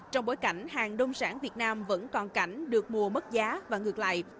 trong bối cảnh hàng đông sản việt nam vẫn còn cảnh được mua mất giá và ngược lại